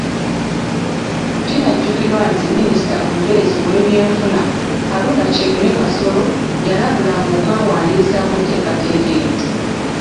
Kinajjukirwa nti Minisita omubeezi ow'ebyenfuna, Haruna Kyeyune Kasolo, yalabula ng'okwewandiisa mu nteekateeka eno .